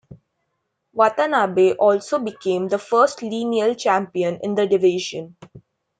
Watanabe also became the first lineal champion in the division.